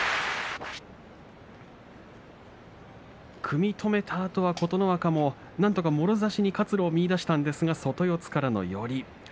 組み止めたあとは琴ノ若もなんとかもろ差しに活路を見いだしたんですが外四つからの寄り。